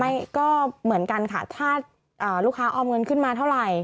ไม่ก็เหมือนกันค่ะถ้าลูกค้าออมเงินขึ้นมาเท่าไหร่